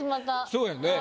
そうやね。